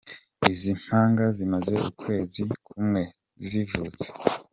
Izi mpanga zimaze ukwezi kumwe zivutse.